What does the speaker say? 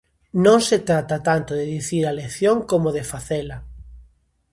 Non se trata tanto de dicir a lección como de facela.